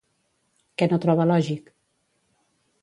Què no troba lògic?